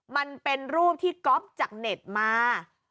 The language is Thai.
มันเป็นรูปที่ก๊อฟจากเน็ตมา